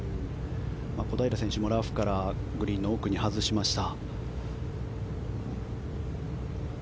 小平選手もラフからグリーンの奥に外しました。